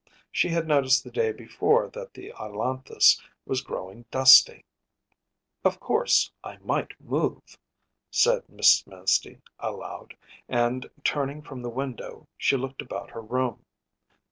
She had noticed the day before that the ailanthus was growing dusty. “Of course I might move,‚ÄĚ said Mrs. Manstey aloud, and turning from the window she looked about her room.